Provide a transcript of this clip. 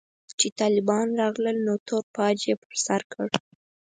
چې طالبان راغلل نو تور پاج يې پر سر کړ.